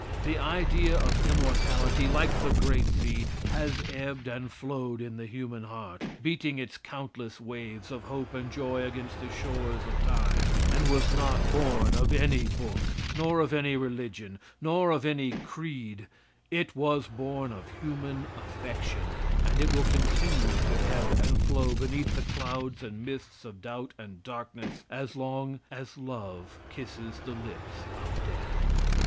The idea of immortality, like the great sea, has ebbed and flowed in the human heart, beating its countless waves of hope and joy against the shores of time, and was not born of any book, nor of any religion, nor of any creed; it was born of human affection, and it will continue to ebb and flow beneath the clouds and mists of doubt and darkness as long as love kisses the lips of death.